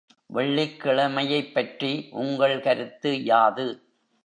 வெள்ளிக்கிழமையைப்பற்றி உங்கள் கருத்து யாது?